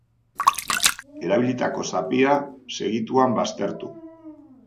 Erabilitako zapia segituan baztertu.